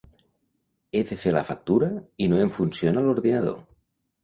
He de fer la factura i no em funciona l'ordinador.